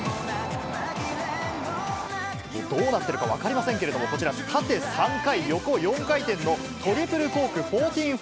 どうなってるか分かりませんけれども、こちら、縦３回、横４回転のトリプルコーク１４４０。